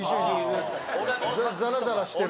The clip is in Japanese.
ザラザラしてる。